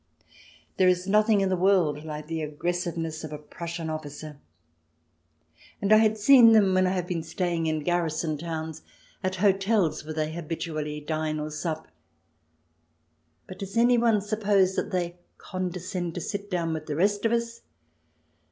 There is nothing in the world like the aggressiveness of a Prussian officer. And I had seen them, when I have been staying in garrison towns, at hotels where they habitually dine or sup. But does anyone sup pose that they condescend to sit down with the rest of us